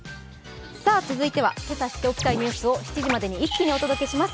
続いてはけさ知っておきたいニュースを７時までに一気にお届けします